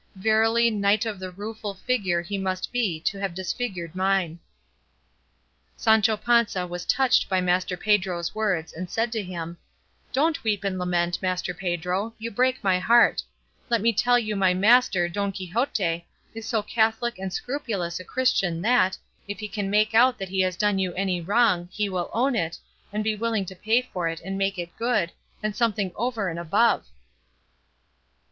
Verily, knight of the rueful figure he must be to have disfigured mine." Sancho Panza was touched by Master Pedro's words, and said to him, "Don't weep and lament, Master Pedro; you break my heart; let me tell you my master, Don Quixote, is so catholic and scrupulous a Christian that, if he can make out that he has done you any wrong, he will own it, and be willing to pay for it and make it good, and something over and above."